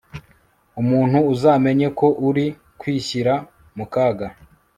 umuntu uzamenye ko uri kwishyira mu kaga